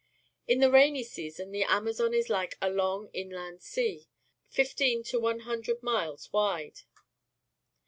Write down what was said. In the rainy season the Amazon is like a long inland sea, fifteen to one hundred miles wide.